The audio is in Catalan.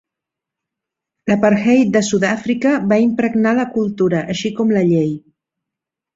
L'apartheid de Sud-àfrica va impregnar la cultura, així com la llei.